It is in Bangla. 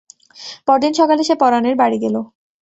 পরদিন সকালে সে পরানের বাড়ি গেল।